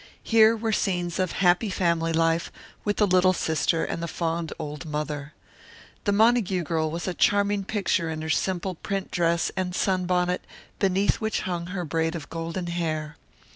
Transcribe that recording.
Here were scenes of happy family life with the little sister and the fond old mother. The Montague girl was a charming picture in her simple print dress and sunbonnet beneath which hung her braid of golden hair.